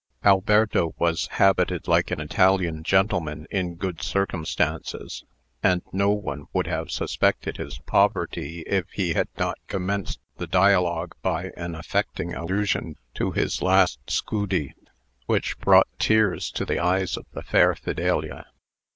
Alberto was habited like an Italian gentleman in good circumstances; and no one would have suspected his poverty, if he had not commenced the dialogue by an affecting allusion to his last scudi, which brought tears to the eyes of the fair Fidelia.